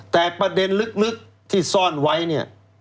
แต่ประเด็นลึกที่ซ่อนไว้เนี่ย